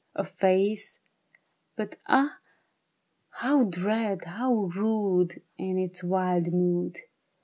A face, but ah, how dread, how rude In its wild mood